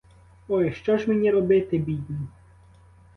Ой, що ж мені робити, бідній!